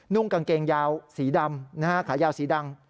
่งกางเกงยาวสีดำนะฮะขายาวสีดำ